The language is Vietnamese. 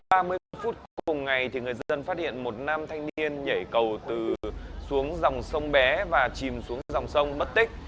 một mươi h ba mươi phút cuối ngày người dân phát hiện một nam thanh niên nhảy cầu xuống dòng sông bé và chìm xuống dòng sông mất tích